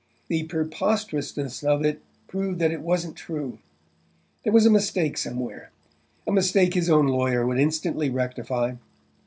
The preposterousness of it proved that it wasn't true. There was a mistake somewhere; a mistake his own lawyer would instantly rectify.